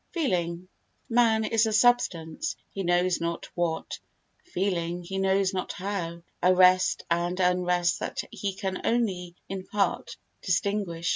Feeling Man is a substance, he knows not what, feeling, he knows not how, a rest and unrest that he can only in part distinguish.